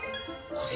これ。